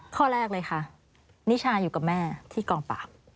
ข้อแรกเลยค่ะนิชาอยู่กับแม่ที่กองปราบ